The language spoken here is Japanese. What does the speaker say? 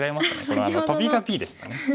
これトビがＢでしたね。